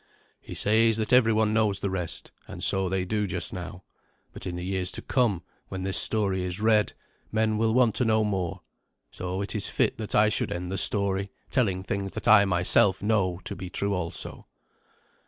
He says that everyone knows the rest, and so they do just now. But in the years to come, when this story is read, men will want to know more. So it is fit that I should end the story, telling things that I myself know to be true also.